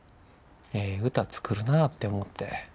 ええ歌作るなぁって思って。